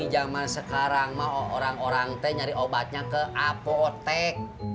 zaman sekarang mah orang orang teh nyari obatnya ke apotek